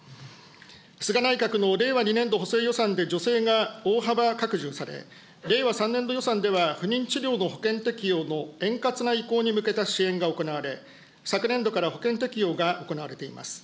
菅内閣の令和２年度補正予算で助成が大幅拡充され、令和３年度予算では、不妊治療の保険適用の円滑な移行に向けた支援が行われ、昨年度から保険適用が行われています。